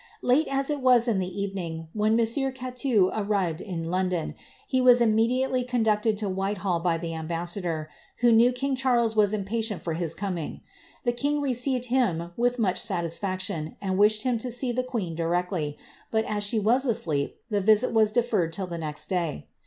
Late as it was in the evening when monsieur Cateu arrived in London, he was immediately conducted to Whitehall by the ambassador, who knew king Charles was impatient for his coming.' The king received him with much satisfaction, and wished him to see the queen directly, but as she was asleep, the visit was de ferred till the next day.